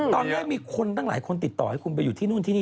ตอนแรงมีหลายคนติดต่ออยู่ที่นุ่นที่นี่